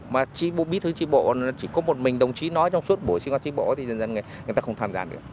mà chỉ biết thứ tri bộ chỉ có một mình đồng chí nói trong suốt buổi sinh hoạt tri bộ thì dần dần người ta không tham gia được